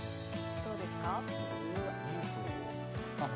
どうですか？